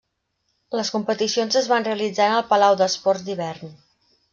Les competicions es van realitzar en el Palau d'Esports d'Hivern.